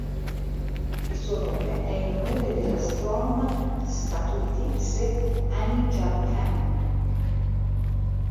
Il suo nome è in onore dell'astronoma statunitense Annie Jump Cannon.